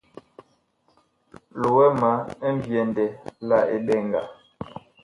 Loɛ ma mbyɛndɛ la eɓɛŋga.